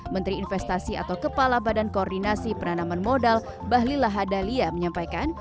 menteri investasi atau kepala badan koordinasi penanaman modal bahlil lahadalia menyampaikan